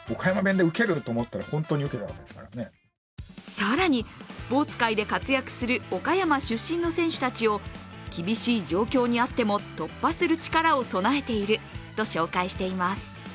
更に、スポーツ界で活躍する岡山出身の選手たちを厳しい状況にあっても突破する力を備えていると紹介しています。